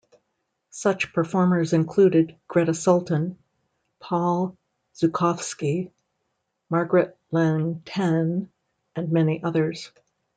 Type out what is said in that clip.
Such performers included Grete Sultan, Paul Zukofsky, Margaret Leng Tan, and many others.